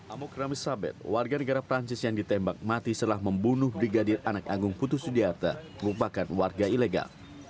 amok rame sabeth warga negara perancis yang ditembak mati setelah membunuh brigadir anak agung putus sudiarta merupakan warga ilegal